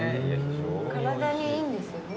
体にいいんですよね？